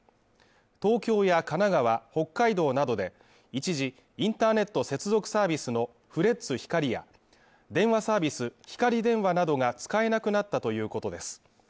東京や神奈川、北海道などで一時インターネット接続サービスのフレッツ光や、電話サービスひかり電話などが使えなくなったということです。